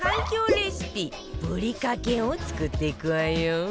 レシピぶりかけを作っていくわよ